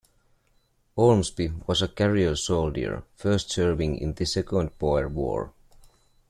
Ormsby was a career soldier first serving in the Second Boer War.